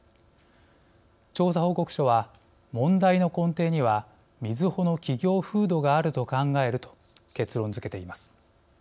調査報告書は、問題の根底にはみずほの企業風土があると考えると結論づけています。